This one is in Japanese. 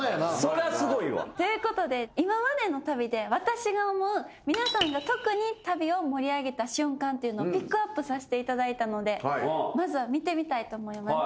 そりゃすごいわ。ということで今までの旅で私が思う皆さんが特に旅を盛り上げた瞬間っていうのをピックアップさせていただいたのでまずは見てみたいと思います。